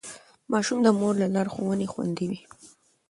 ماشوم د مور له لارښوونې خوندي وي.